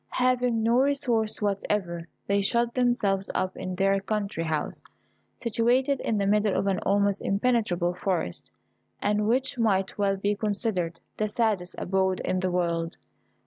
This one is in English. Having no resource whatever, they shut themselves up in their country house, situated in the middle of an almost impenetrable forest, and which might well be considered the saddest abode in the world.